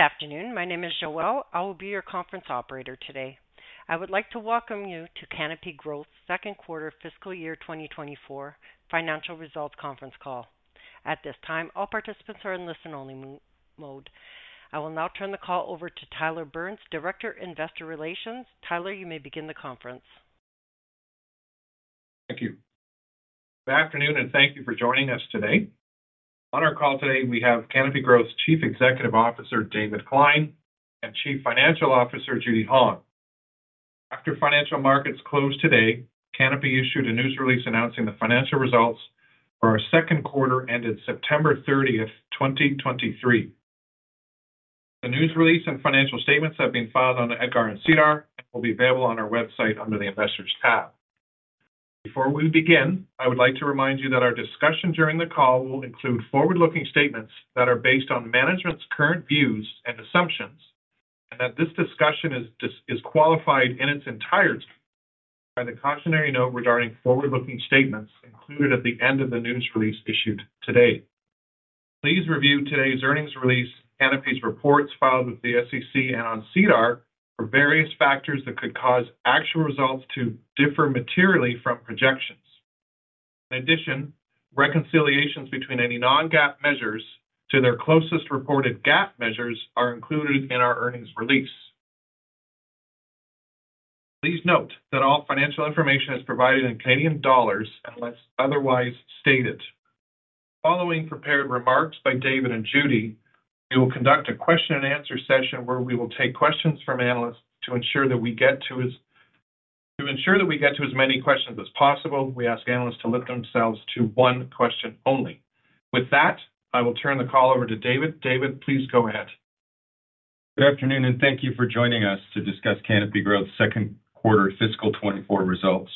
Good afternoon. My name is Joelle. I will be your conference operator today. I would like to welcome you to Canopy Growth's second quarter fiscal year 2024 financial results conference call. At this time, all participants are in listen-only mode. I will now turn the call over to Tyler Burns, Director, Investor Relations. Tyler, you may begin the conference. Thank you. Good afternoon, and thank you for joining us today. On our call today, we have Canopy Growth's Chief Executive Officer, David Klein, and Chief Financial Officer, Judy Hong. After financial markets closed today, Canopy issued a news release announcing the financial results for our second quarter, ended September 30, 2023. The news release and financial statements have been filed on the EDGAR and SEDAR and will be available on our website under the Investors tab. Before we begin, I would like to remind you that our discussion during the call will include forward-looking statements that are based on management's current views and assumptions, and that this discussion is qualified in its entirety by the cautionary note regarding forward-looking statements included at the end of the news release issued today. Please review today's earnings release, Canopy's reports filed with the SEC and on SEDAR for various factors that could cause actual results to differ materially from projections. In addition, reconciliations between any non-GAAP measures to their closest reported GAAP measures are included in our earnings release. Please note that all financial information is provided in Canadian dollars unless otherwise stated. Following prepared remarks by David and Judy, we will conduct a question and answer session where we will take questions from analysts to ensure that we get to as many questions as possible. We ask analysts to limit themselves to one question only. With that, I will turn the call over to David. David, please go ahead. Good afternoon, and thank you for joining us to discuss Canopy Growth's second quarter fiscal 2024 results.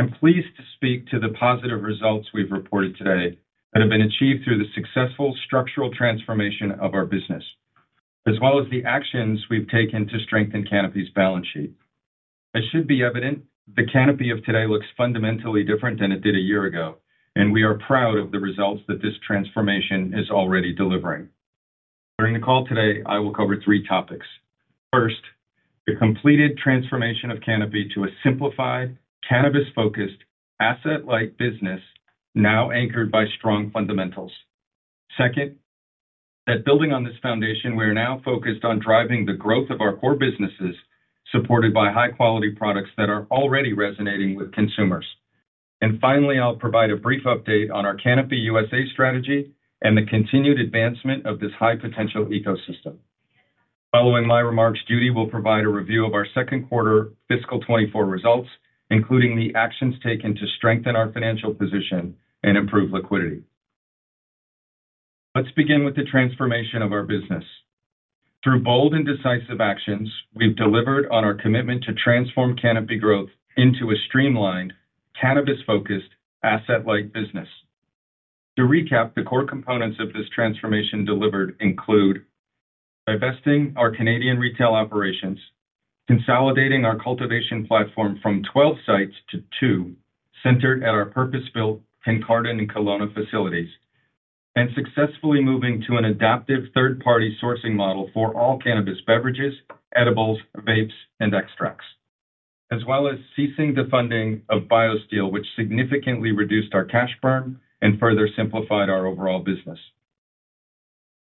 I'm pleased to speak to the positive results we've reported today that have been achieved through the successful structural transformation of our business, as well as the actions we've taken to strengthen Canopy's balance sheet. As should be evident, the Canopy of today looks fundamentally different than it did a year ago, and we are proud of the results that this transformation is already delivering. During the call today, I will cover three topics. First, the completed transformation of Canopy to a simplified, cannabis-focused, asset-light business, now anchored by strong fundamentals. Second, that building on this foundation, we are now focused on driving the growth of our core businesses, supported by high-quality products that are already resonating with consumers. Finally, I'll provide a brief update on our Canopy USA strategy and the continued advancement of this high-potential ecosystem. Following my remarks, Judy will provide a review of our second quarter fiscal 2024 results, including the actions taken to strengthen our financial position and improve liquidity. Let's begin with the transformation of our business. Through bold and decisive actions, we've delivered on our commitment to transform Canopy Growth into a streamlined, cannabis-focused, asset-light business. To recap, the core components of this transformation delivered include: divesting our Canadian retail operations, consolidating our cultivation platform from 12 sites to to, centered at our purpose-built Kincardine and Kelowna facilities, and successfully moving to an adaptive third-party sourcing model for all cannabis beverages, edibles, vapes, and extracts. As well as ceasing the funding of BioSteel, which significantly reduced our cash burn and further simplified our overall business.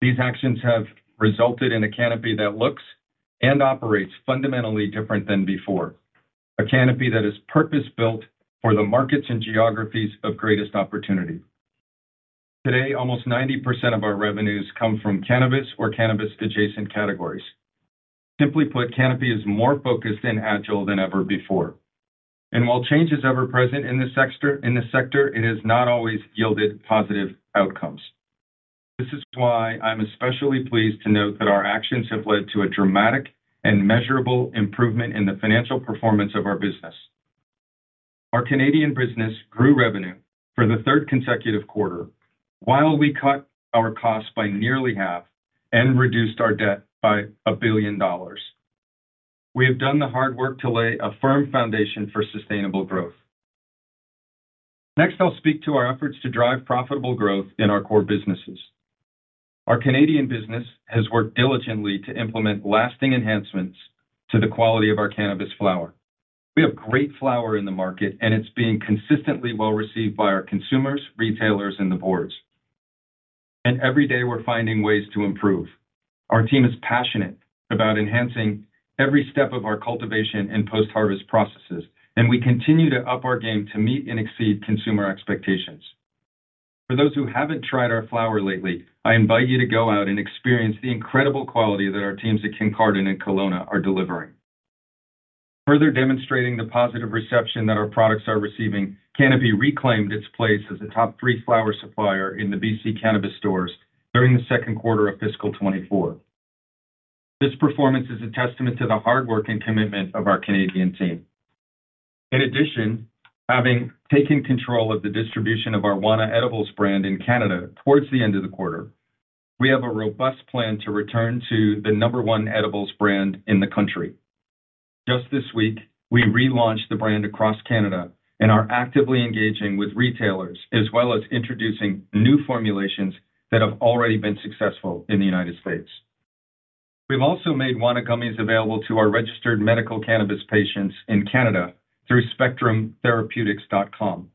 These actions have resulted in a Canopy that looks and operates fundamentally different than before, a Canopy that is purpose-built for the markets and geographies of greatest opportunity. Today, almost 90% of our revenues come from cannabis or cannabis-adjacent categories. Simply put, Canopy is more focused and agile than ever before, and while change is ever present in this sector, it has not always yielded positive outcomes. This is why I'm especially pleased to note that our actions have led to a dramatic and measurable improvement in the financial performance of our business. Our Canadian business grew revenue for the third consecutive quarter, while we cut our costs by nearly half and reduced our debt by 1 billion dollars. We have done the hard work to lay a firm foundation for sustainable growth. Next, I'll speak to our efforts to drive profitable growth in our core businesses. Our Canadian business has worked diligently to implement lasting enhancements to the quality of our cannabis flower. We have great flower in the market, and it's being consistently well-received by our consumers, retailers, and the boards. Every day, we're finding ways to improve. Our team is passionate about enhancing every step of our cultivation and post-harvest processes, and we continue to up our game to meet and exceed consumer expectations. For those who haven't tried our flower lately, I invite you to go out and experience the incredible quality that our teams at Kincardine and Kelowna are delivering. Further demonstrating the positive reception that our products are receiving, Canopy reclaimed its place as a top three flower supplier in the BC Cannabis Stores during the second quarter of fiscal 2024. This performance is a testament to the hard work and commitment of our Canadian team. In addition, having taken control of the distribution of our Wana Edibles brand in Canada towards the end of the quarter, we have a robust plan to return to the number one edibles brand in the country. Just this week, we relaunched the brand across Canada and are actively engaging with retailers, as well as introducing new formulations that have already been successful in the United States. We've also made Wana gummies available to our registered medical cannabis patients in Canada through SpectrumTherapeutics.com,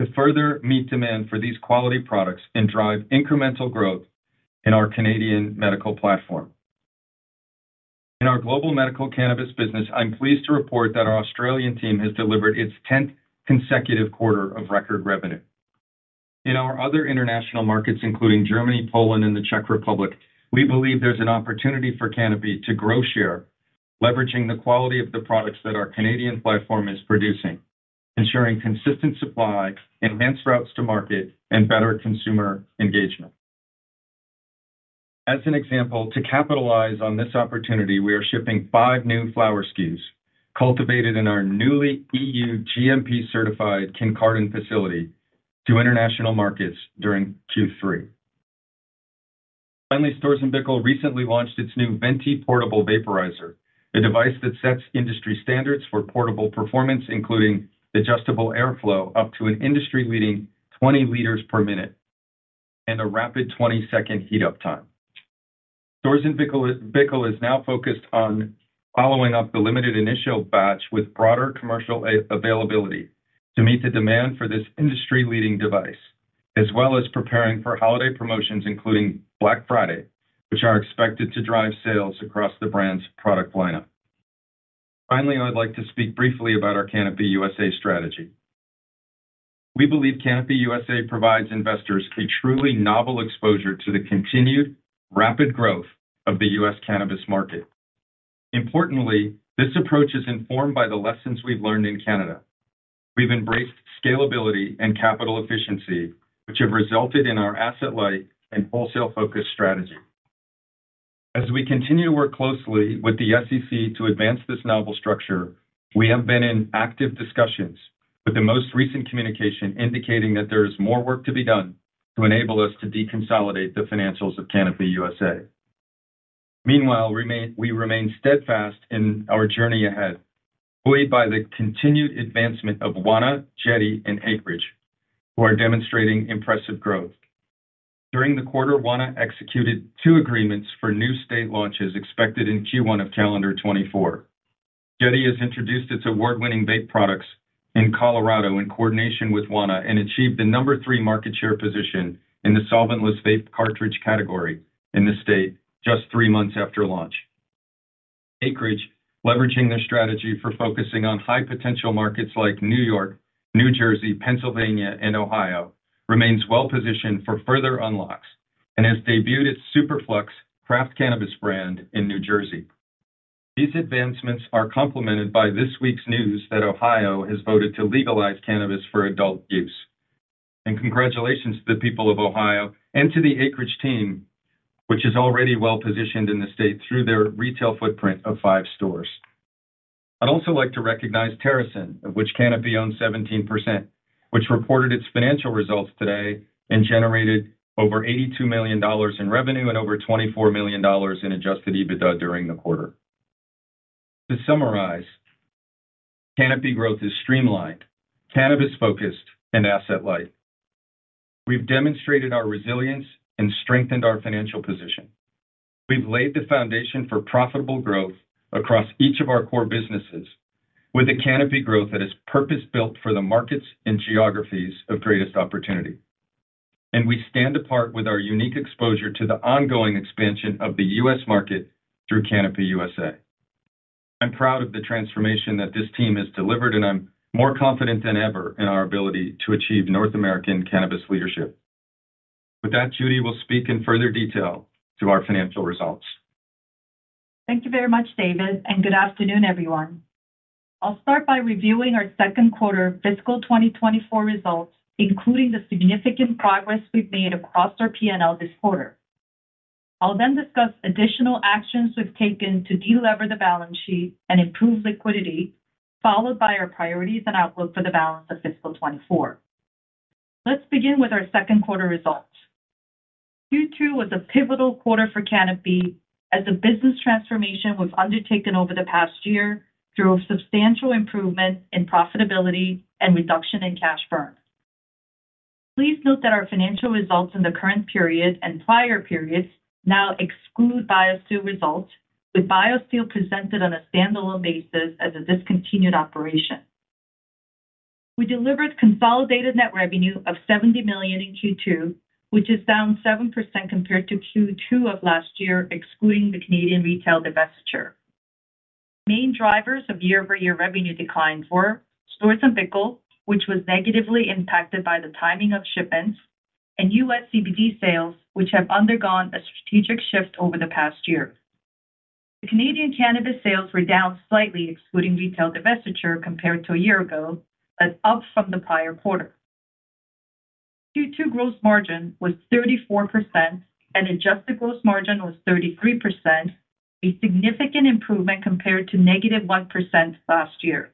to further meet demand for these quality products and drive incremental growth in our Canadian medical platform. In our global medical cannabis business, I'm pleased to report that our Australian team has delivered its tenth consecutive quarter of record revenue. In our other international markets, including Germany, Poland, and the Czech Republic, we believe there's an opportunity for Canopy to grow share, leveraging the quality of the products that our Canadian platform is producing, ensuring consistent supply, enhanced routes to market, and better consumer engagement. As an example, to capitalize on this opportunity, we are shipping five new flower SKUs, cultivated in our newly EU GMP-certified Kincardine facility, to international markets during Q3. Finally, Storz & Bickel recently launched its new VENTY portable vaporizer, a device that sets industry standards for portable performance, including adjustable airflow, up to an industry-leading 20 liters per minute, and a rapid 20-second heat-up time. Storz & Bickel is now focused on following up the limited initial batch with broader commercial availability to meet the demand for this industry-leading device, as well as preparing for holiday promotions, including Black Friday, which are expected to drive sales across the brand's product lineup. Finally, I'd like to speak briefly about our Canopy USA strategy. We believe Canopy USA provides investors a truly novel exposure to the continued rapid growth of the U.S. cannabis market. Importantly, this approach is informed by the lessons we've learned in Canada. We've embraced scalability and capital efficiency, which have resulted in our asset-light and wholesale-focused strategy. As we continue to work closely with the SEC to advance this novel structure, we have been in active discussions, with the most recent communication indicating that there is more work to be done to enable us to deconsolidate the financials of Canopy USA. Meanwhile, we remain steadfast in our journey ahead, buoyed by the continued advancement of Wana, Jetty, and Acreage, who are demonstrating impressive growth. During the quarter, Wana executed two agreements for new state launches expected in Q1 of calendar 2024. Jetty has introduced its award-winning vape products in Colorado in coordination with Wana, and achieved the number three market share position in the solvent-less vape cartridge category in the state just three months after launch. Acreage, leveraging their strategy for focusing on high-potential markets like New York, New Jersey, Pennsylvania, and Ohio, remains well-positioned for further unlocks and has debuted its Superflux craft cannabis brand in New Jersey. These advancements are complemented by this week's news that Ohio has voted to legalize cannabis for adult use. Congratulations to the people of Ohio and to the Acreage team, which is already well-positioned in the state through their retail footprint of five stores. I'd also like to recognize TerrAscend, of which Canopy owns 17%, which reported its financial results today and generated over 82 million dollars in revenue and over 24 million dollars in adjusted EBITDA during the quarter. To summarize, Canopy Growth is streamlined, cannabis-focused, and asset-light. We've demonstrated our resilience and strengthened our financial position. We've laid the foundation for profitable growth across each of our core businesses, with a Canopy Growth that is purpose-built for the markets and geographies of greatest opportunity. We stand apart with our unique exposure to the ongoing expansion of the U.S. market through Canopy USA. I'm proud of the transformation that this team has delivered, and I'm more confident than ever in our ability to achieve North American cannabis leadership. With that, Judy will speak in further detail to our financial results. Thank you very much, David, and good afternoon, everyone. I'll start by reviewing our second quarter fiscal 2024 results, including the significant progress we've made across our P&L this quarter. I'll then discuss additional actions we've taken to delever the balance sheet and improve liquidity, followed by our priorities and outlook for the balance of fiscal 2024. Let's begin with our second quarter results. Q2 was a pivotal quarter for Canopy, as the business transformation was undertaken over the past year through a substantial improvement in profitability and reduction in cash burn. Please note that our financial results in the current period and prior periods now exclude BioSteel results, with BioSteel presented on a standalone basis as a discontinued operation. We delivered consolidated net revenue of 70 million in Q2, which is down 7% compared to Q2 of last year, excluding the Canadian retail divestiture. Main drivers of year-over-year revenue declines were Storz & Bickel, which was negatively impacted by the timing of shipments, and U.S. CBD sales, which have undergone a strategic shift over the past year. The Canadian cannabis sales were down slightly, excluding retail divestiture, compared to a year ago, but up from the prior quarter. Q2 gross margin was 34%, and adjusted gross margin was 33%, a significant improvement compared to -1% last year.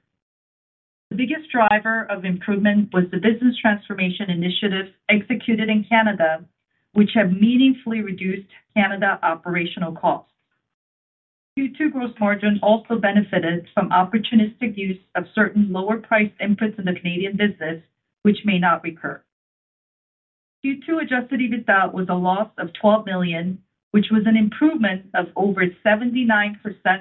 The biggest driver of improvement was the business transformation initiatives executed in Canada, which have meaningfully reduced Canada operational costs. Q2 gross margin also benefited from opportunistic use of certain lower priced inputs in the Canadian business, which may not recur. Q2 adjusted EBITDA was a loss of 12 million, which was an improvement of over 79%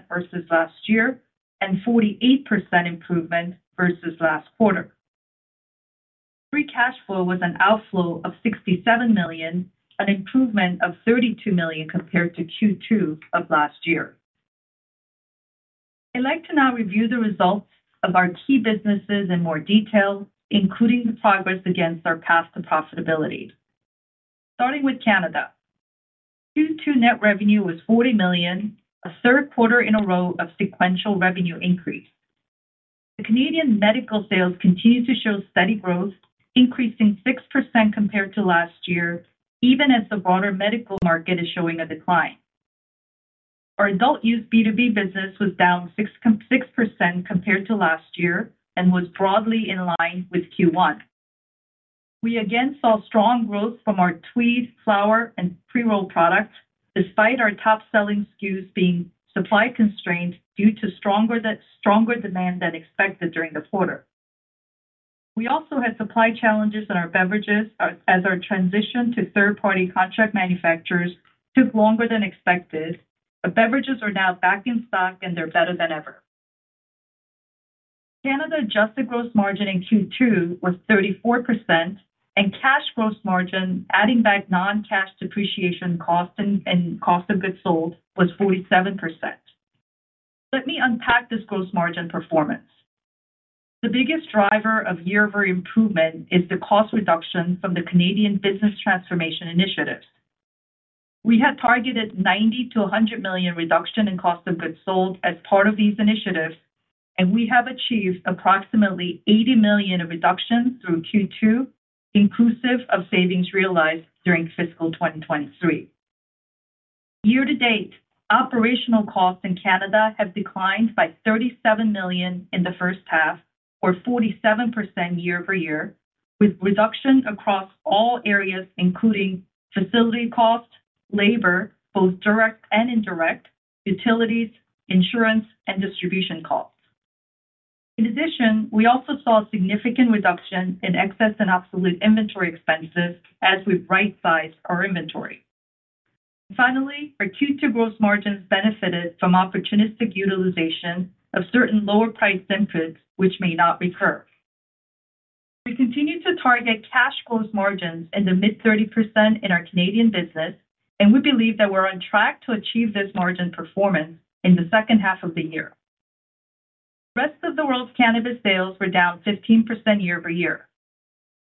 versus last year and 48% improvement versus last quarter. Free cash flow was an outflow of 67 million, an improvement of 32 million compared to Q2 of last year. I'd like to now review the results of our key businesses in more detail, including the progress against our path to profitability. Starting with Canada. Q2 net revenue was 40 million, a third quarter in a row of sequential revenue increase. The Canadian medical sales continued to show steady growth, increasing 6% compared to last year, even as the broader medical market is showing a decline. Our adult use B2B business was down 6.6% compared to last year and was broadly in line with Q1. We again saw strong growth from our Tweed flower and pre-rolled products, despite our top-selling SKUs being supply constrained due to stronger demand than expected during the quarter. We also had supply challenges in our beverages, as our transition to third-party contract manufacturers took longer than expected, but beverages are now back in stock, and they're better than ever. Canada adjusted gross margin in Q2 was 34% and cash gross margin, adding back non-cash depreciation cost and cost of goods sold, was 47%. Let me unpack this gross margin performance. The biggest driver of year-over-year improvement is the cost reduction from the Canadian business transformation initiatives. We had targeted 90 million-100 million reduction in cost of goods sold as part of these initiatives, and we have achieved approximately 80 million of reductions through Q2, inclusive of savings realized during fiscal 2023. Year to date, operational costs in Canada have declined by 37 million in the first half, or 47% year-over-year, with reductions across all areas, including facility costs, labor, both direct and indirect, utilities, insurance, and distribution costs. In addition, we also saw a significant reduction in excess and absolute inventory expenses as we rightsize our inventory. Finally, our Q2 gross margins benefited from opportunistic utilization of certain lower priced inputs, which may not recur. We continue to target cash gross margins in the mid-30% in our Canadian business, and we believe that we're on track to achieve this margin performance in the second half of the year. Rest of the world's cannabis sales were down 15% year-over-year.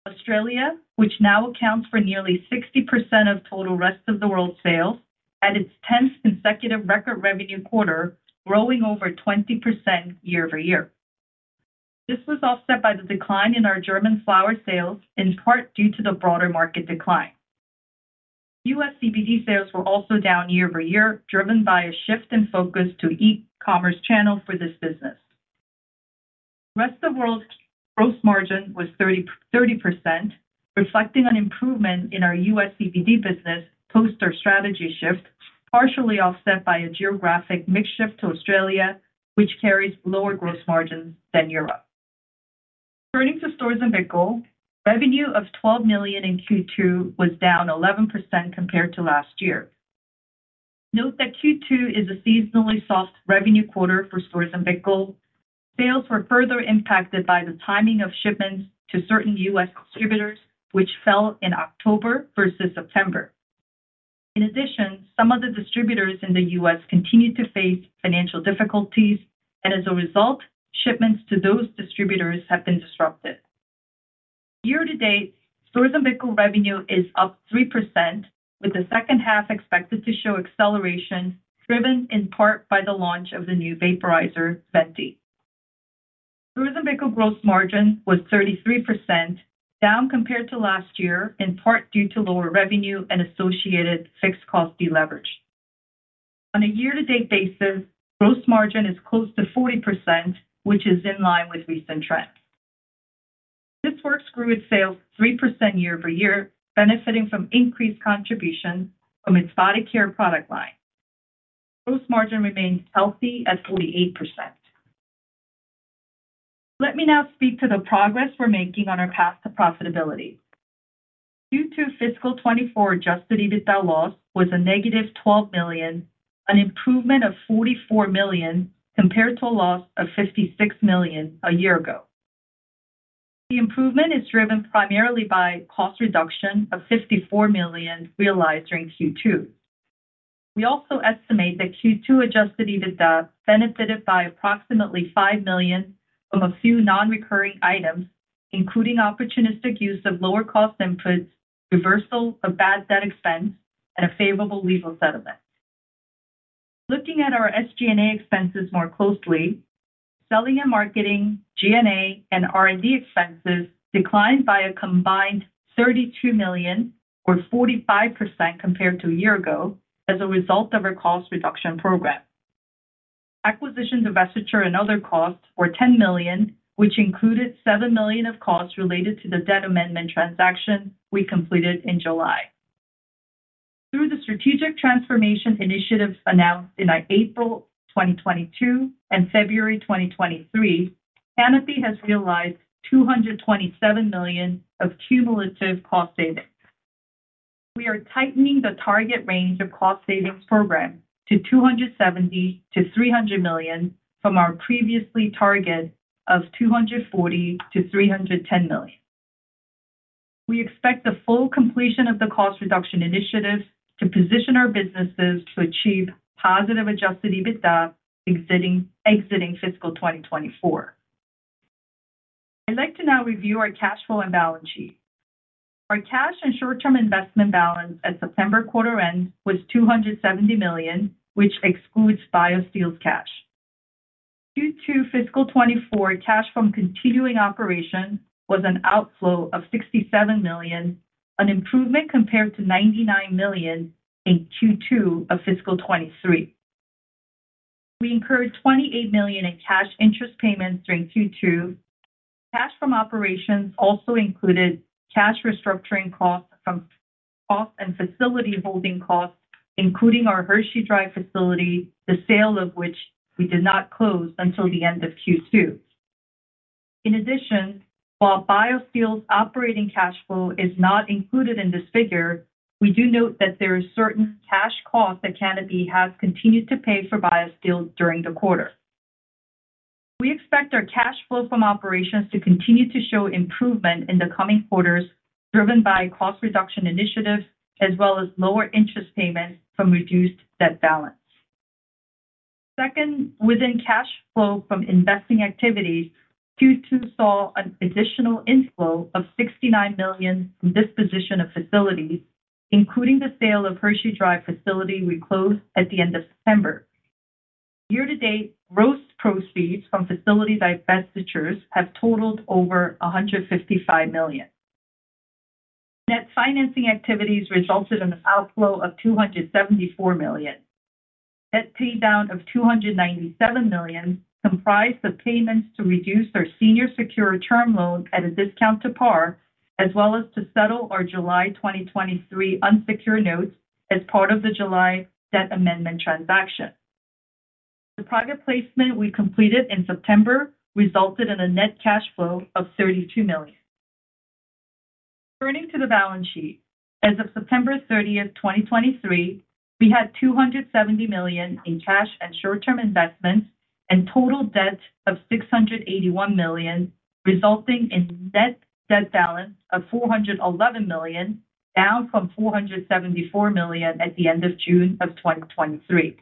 Australia, which now accounts for nearly 60% of total rest of the world sales, had its 10th consecutive record revenue quarter, growing over 20% year-over-year. This was offset by the decline in our German flower sales, in part due to the broader market decline. U.S. CBD sales were also down year-over-year, driven by a shift in focus to e-commerce channel for this business. Rest of world gross margin was 33%, reflecting an improvement in our U.S. CBD business post our strategy shift, partially offset by a geographic mix shift to Australia, which carries lower gross margins than Europe. Turning to Storz & Bickel, revenue of 12 million in Q2 was down 11% compared to last year. Note that Q2 is a seasonally soft revenue quarter for Storz & Bickel. Sales were further impacted by the timing of shipments to certain U.S. distributors, which fell in October versus September. In addition, some of the distributors in the U.S. continued to face financial difficulties, and as a result, shipments to those distributors have been disrupted. Year-to-date, Storz & Bickel revenue is up 3%, with the second half expected to show acceleration, driven in part by the launch of the new vaporizer, VENTY. Storz & Bickel gross margin was 33%, down compared to last year, in part due to lower revenue and associated fixed cost deleverage. On a year-to-date basis, gross margin is close to 40%, which is in line with recent trends. This Works grew its sales 3% year-over-year, benefiting from increased contribution from its body care product line. Gross margin remains healthy at 48%. Let me now speak to the progress we're making on our path to profitability. Q2 fiscal 2024 adjusted EBITDA loss was a negative 12 million, an improvement of 44 million compared to a loss of 56 million a year ago. The improvement is driven primarily by cost reduction of 54 million realized during Q2. We also estimate that Q2 adjusted EBITDA benefited by approximately 5 million from a few non-recurring items, including opportunistic use of lower cost inputs, reversal of bad debt expense, and a favorable legal settlement. Looking at our SG&A expenses more closely, selling and marketing, G&A, and R&D expenses declined by a combined 32 million, or 45% compared to a year ago as a result of our cost reduction program. Acquisition, divestiture, and other costs were 10 million, which included 7 million of costs related to the debt amendment transaction we completed in July. Through the strategic transformation initiatives announced in April 2022 and February 2023, Canopy has realized 227 million of cumulative cost savings. We are tightening the target range of cost savings program to 270 million-300 million from our previously target of 240 million-310 million. We expect the full completion of the cost reduction initiatives to position our businesses to achieve positive adjusted EBITDA exiting fiscal 2024. I'd like to now review our cash flow and balance sheet. Our cash and short-term investment balance at September quarter end was 270 million, which excludes BioSteel's cash. Q2 fiscal 2024 cash from continuing operations was an outflow of 67 million, an improvement compared to 99 million in Q2 of fiscal 2023. We incurred 28 million in cash interest payments during Q2. Cash from operations also included cash restructuring costs from costs and facility holding costs, including our Hershey Drive facility, the sale of which we did not close until the end of Q2. In addition, while BioSteel operating cash flow is not included in this figure, we do note that there are certain cash costs that Canopy has continued to pay for BioSteel during the quarter. We expect our cash flow from operations to continue to show improvement in the coming quarters, driven by cost reduction initiatives, as well as lower interest payments from reduced debt balance. Second, within cash flow from investing activities, Q2 saw an additional inflow of 69 million from disposition of facilities, including the sale of Hershey Drive facility we closed at the end of September. Year to date, gross proceeds from facility divestitures have totaled over 155 million. Net financing activities resulted in an outflow of 274 million. Net paydown of 297 million comprised the payments to reduce our senior secured term loan at a discount to par, as well as to settle our July 2023 unsecured notes as part of the July debt amendment transaction. The private placement we completed in September resulted in a net cash flow of 32 million. Turning to the balance sheet, as of September 30, 2023, we had 270 million in cash and short-term investments, and total debt of 681 million, resulting in net debt balance of 411 million, down from 474 million at the end of June 2023.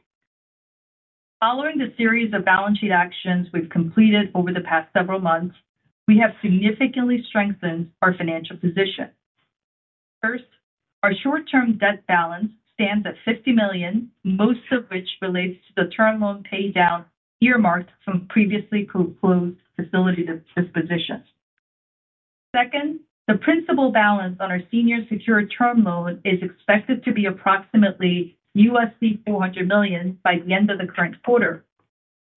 Following the series of balance sheet actions we've completed over the past several months, we have significantly strengthened our financial position. First, our short-term debt balance stands at 50 million, most of which relates to the term loan paydown earmarked from previously closed facility dispositions. Second, the principal balance on our senior secured term loan is expected to be approximately CAD 400 million by the end of the current quarter.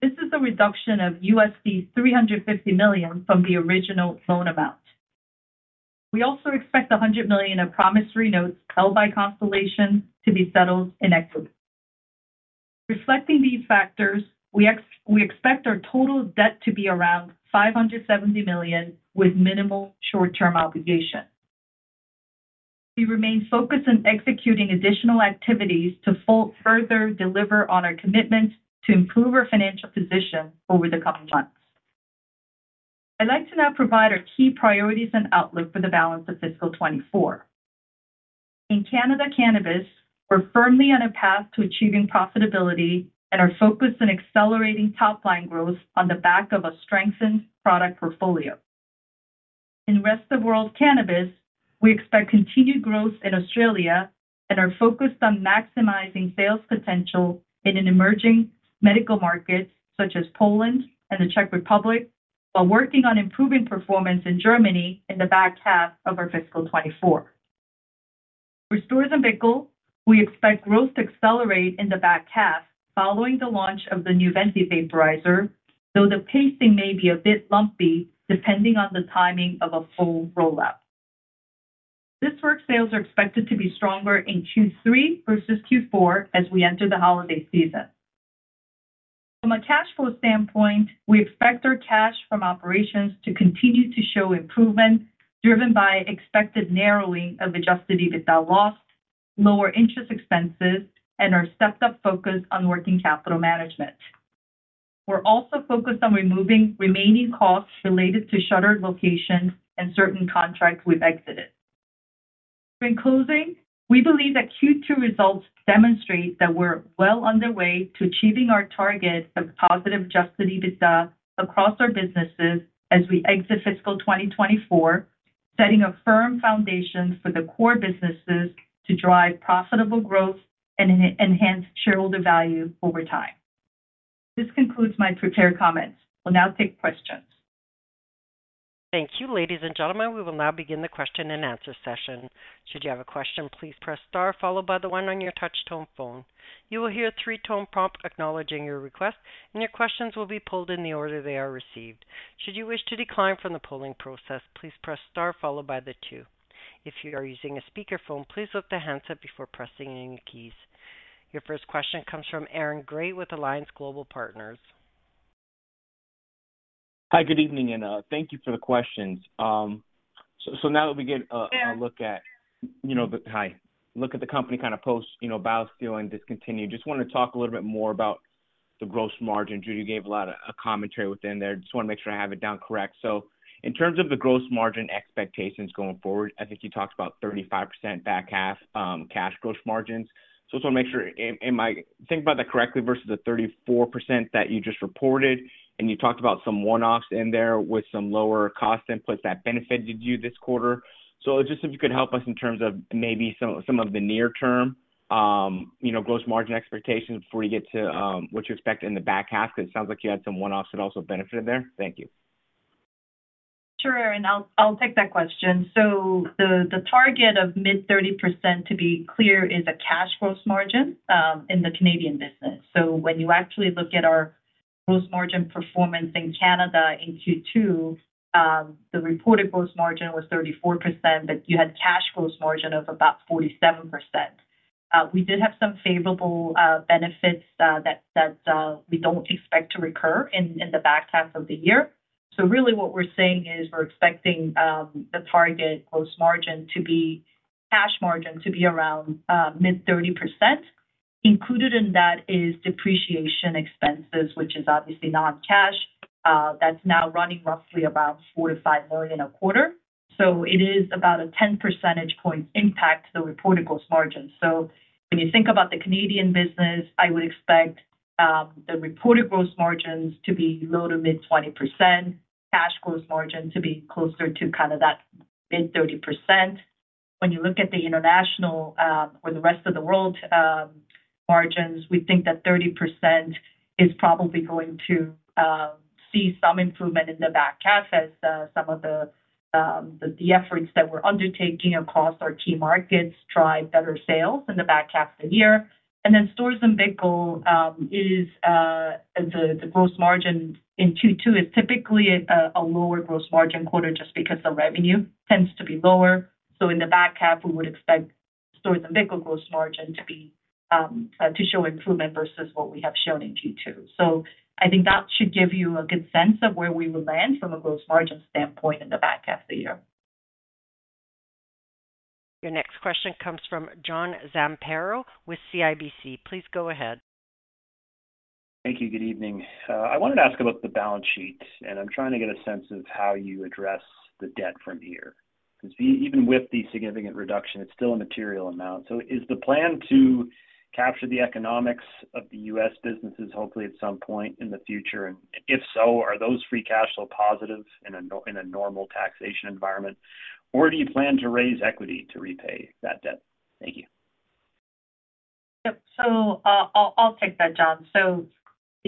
This is a reduction of CAD 350 million from the original loan amount. We also expect 100 million of promissory notes held by Constellation to be settled in escrow. Reflecting these factors, we expect our total debt to be around 570 million, with minimal short-term obligation. We remain focused on executing additional activities to further deliver on our commitment to improve our financial position over the coming months. I'd like to now provide our key priorities and outlook for the balance of fiscal 2024. In Canadian cannabis, we're firmly on a path to achieving profitability and are focused on accelerating top-line growth on the back of a strengthened product portfolio. In rest-of-world cannabis, we expect continued growth in Australia and are focused on maximizing sales potential in emerging medical markets such as Poland and the Czech Republic, while working on improving performance in Germany in the back half of our fiscal 2024. For Storz & Bickel, we expect growth to accelerate in the back half following the launch of the new VENTY vaporizer, though the pacing may be a bit lumpy, depending on the timing of a full rollout. This Works sales are expected to be stronger in Q3 versus Q4 as we enter the holiday season. From a cash flow standpoint, we expect our cash from operations to continue to show improvement, driven by expected narrowing of adjusted EBITDA loss, lower interest expenses, and our stepped-up focus on working capital management. We're also focused on removing remaining costs related to shuttered locations and certain contracts we've exited. In closing, we believe that Q2 results demonstrate that we're well on the way to achieving our target of positive adjusted EBITDA across our businesses as we exit fiscal 2024, setting a firm foundation for the core businesses to drive profitable growth and enhance shareholder value over time. This concludes my prepared comments. We'll now take questions. ... Thank you. Ladies and gentlemen, we will now begin the question-and-answer session. Should you have a question, please press star followed by the one on your touch-tone phone. You will hear a three-tone prompt acknowledging your request, and your questions will be polled in the order they are received. Should you wish to decline from the polling process, please press star followed by the two. If you are using a speakerphone, please lift the handset before pressing any keys. Your first question comes from Aaron Gray with Alliance Global Partners. Hi, good evening, and thank you for the questions. So now that we get a look at, you know, the company, kind of post, you know, BioSteel and discontinued, just wanted to talk a little bit more about the gross margin. Judy, you gave a lot of commentary within there. Just want to make sure I have it down correct. So in terms of the gross margin expectations going forward, I think you talked about 35% back half, cash gross margins. So I just want to make sure, am I thinking about that correctly versus the 34% that you just reported? And you talked about some one-offs in there with some lower cost inputs that benefited you this quarter. Just if you could help us in terms of maybe some of the near-term, you know, gross margin expectations before you get to what you expect in the back half, because it sounds like you had some one-offs that also benefited there? Thank you. Sure, Aaron, I'll take that question. So the target of mid-30%, to be clear, is a cash gross margin in the Canadian business. So when you actually look at our gross margin performance in Canada in Q2, the reported gross margin was 34%, but you had cash gross margin of about 47%. We did have some favorable benefits that we don't expect to recur in the back half of the year. So really what we're saying is we're expecting the target gross margin to be cash margin to be around mid-30%. Included in that is depreciation expenses, which is obviously non-cash, that's now running roughly about 4 million-5 million a quarter. So it is about a 10 percentage point impact to the reported gross margin. So when you think about the Canadian business, I would expect, the reported gross margins to be low- to mid-20%, cash gross margin to be closer to kind of that mid-30%. When you look at the international, or the rest of the world, margins, we think that 30% is probably going to see some improvement in the back half as some of the, the efforts that we're undertaking across our key markets drive better sales in the back half of the year. And then Storz & Bickel, the gross margin in Q2 is typically a lower gross margin quarter just because the revenue tends to be lower. So in the back half, we would expect Storz & Bickel gross margin to show improvement versus what we have shown in Q2. I think that should give you a good sense of where we will land from a gross margin standpoint in the back half of the year. Your next question comes from John Zamparo with CIBC. Please go ahead. Thank you. Good evening. I wanted to ask about the balance sheet, and I'm trying to get a sense of how you address the debt from here. Because even with the significant reduction, it's still a material amount. So is the plan to capture the economics of the U.S. businesses hopefully at some point in the future? And if so, are those free cash flow positives in a normal taxation environment, or do you plan to raise equity to repay that debt? Thank you. Yep. So, I'll take that, John. So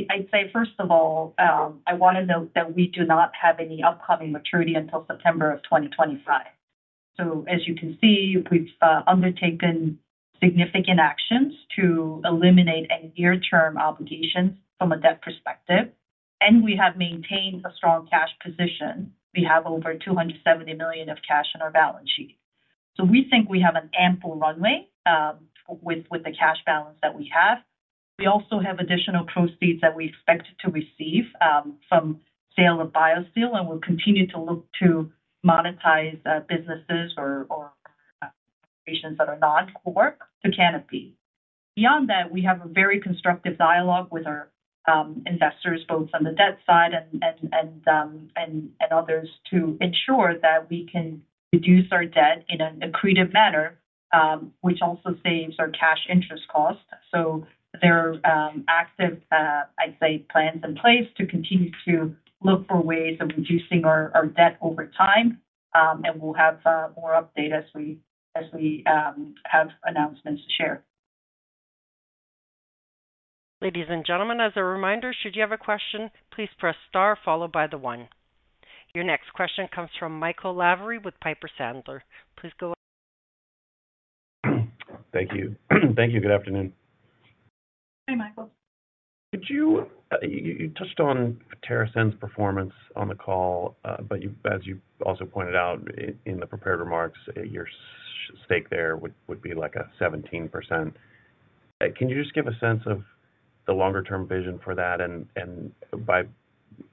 I'd say, first of all, I want to note that we do not have any upcoming maturity until September of 2025. So as you can see, we've undertaken significant actions to eliminate any near-term obligations from a debt perspective, and we have maintained a strong cash position. We have over 270 million of cash on our balance sheet. So we think we have an ample runway, with the cash balance that we have. We also have additional proceeds that we expect to receive, from sale of BioSteel, and we'll continue to look to monetize, businesses or operations that are not core to Canopy. Beyond that, we have a very constructive dialogue with our investors, both on the debt side and others to ensure that we can reduce our debt in an accretive manner, which also saves our cash interest cost. So there are active, I'd say, plans in place to continue to look for ways of reducing our debt over time. And we'll have more update as we have announcements to share. Ladies and gentlemen, as a reminder, should you have a question, please press star followed by the one. Your next question comes from Michael Lavery with Piper Sandler. Please go- Thank you. Thank you. Good afternoon. Hi, Michael. Could you... you touched on TerrAscend's performance on the call, but you, as you also pointed out in the prepared remarks, your stake there would be, like, 17%. Can you just give a sense of the longer-term vision for that? And by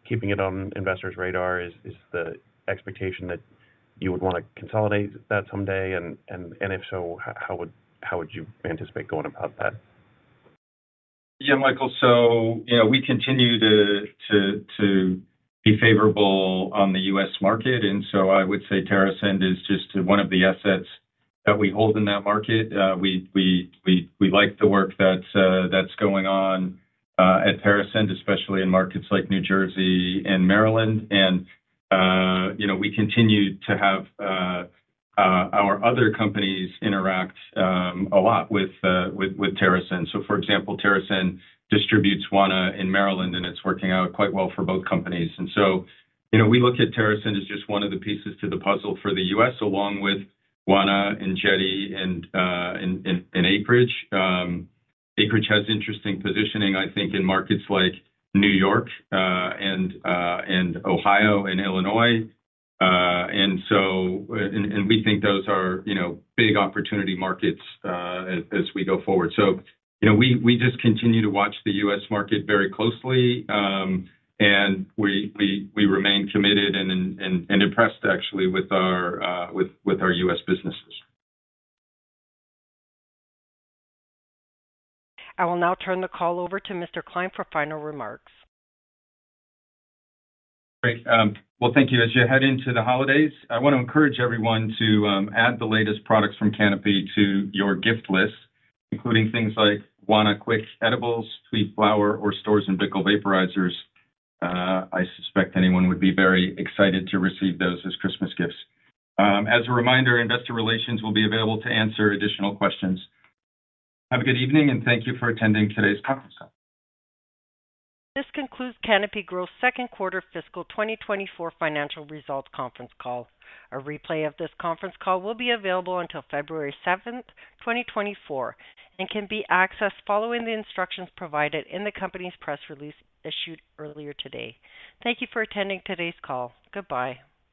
keeping it on investors' radar, is the expectation that you would want to consolidate that someday? And, if so, how would you anticipate going about that? Yeah, Michael, so, you know, we continue to be favorable on the U.S. market, and so I would say TerrAscend is just one of the assets that we hold in that market. We like the work that's going on at TerrAscend, especially in markets like New Jersey and Maryland, and, you know, we continue to have our other companies interact a lot with TerrAscend. So, for example, TerrAscend distributes Wana in Maryland, and it's working out quite well for both companies. And so, you know, we look at TerrAscend as just one of the pieces to the puzzle for the U.S., along with Wana and Jetty and Acreage. Acreage has interesting positioning, I think, in markets like New York and Ohio and Illinois. And so, we think those are, you know, big opportunity markets, as we go forward. So, you know, we just continue to watch the U.S. market very closely, and we remain committed and impressed actually with our U.S. businesses. I will now turn the call over to Mr. Klein for final remarks. Great. Well, thank you. As you head into the holidays, I want to encourage everyone to add the latest products from Canopy to your gift list, including things like Wana Quick Edibles, Tweed flower, or Storz & Bickel vaporizers. I suspect anyone would be very excited to receive those as Christmas gifts. As a reminder, Investor Relations will be available to answer additional questions. Have a good evening, and thank you for attending today's conference call. This concludes Canopy Growth's second quarter fiscal 2024 financial results conference call. A replay of this conference call will be available until February 7, 2024, and can be accessed following the instructions provided in the company's press release issued earlier today. Thank you for attending today's call. Goodbye.